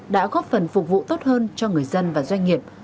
đã góp phần phục vụ tốt hơn cho người dân và doanh nghiệp